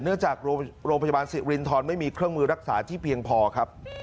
จากโรงพยาบาลสิรินทรไม่มีเครื่องมือรักษาที่เพียงพอครับ